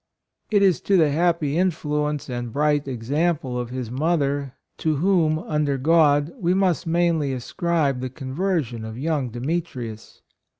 It is to the happy influence and bright exam ple of his mother, to whom, under God, we must mainly ascribe the conversion of young Demetrius.